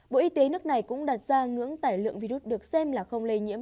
bộ y tế nước này cũng đặt ra ngưỡng tải lượng virus được xem là không lây nhiễm